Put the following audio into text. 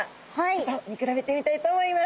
ちょっと見比べてみたいと思います。